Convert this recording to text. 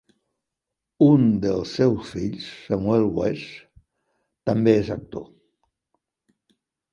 Un dels seus fills, Samuel West, també és actor.